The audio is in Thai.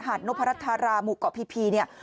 หาดโนพระรัชธารามุกเกาะพีเนี่ย